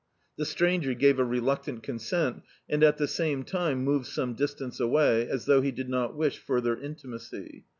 The stranger gave a reluctant consent, and at the same time moved some distance away, as though he did not wish further intimacy.